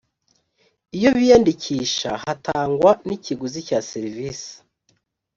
iyo biyandikisha hatangwa nikiguzi cya serivisi